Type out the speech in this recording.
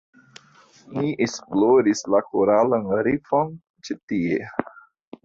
Ni esploris la koralan rifon ĉi tie